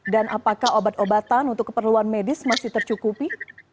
dan apakah obat obatan untuk keperluan medis masih tercukupi